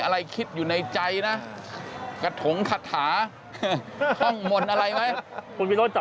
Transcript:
อะไรคิดอยู่ในใจนะกระถงคาถาท่องมนต์อะไรไหมคุณวิโรธจับ